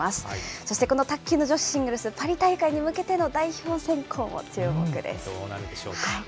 そしてこの卓球の女子シングルス、パリ大会に向けての代表選考も注どうなるでしょうか。